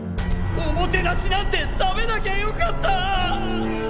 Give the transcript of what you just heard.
おもてナシなんて食べなきゃよかった！